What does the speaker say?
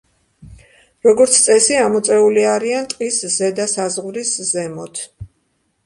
როგორც წესი, ამოწეული არიან ტყის ზედა საზღვრის ზემოთ.